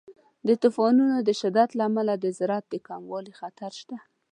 د طوفانونو د شدت له امله د زراعت د کموالي خطر شته.